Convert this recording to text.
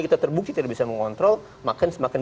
kita terbukti tidak bisa mengontrol makin